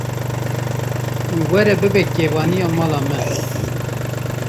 Were bibe kevaniya mala min.